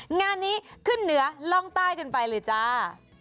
งานนี้ขึ้นเหนือล่องใต้กันไปเลยจ้า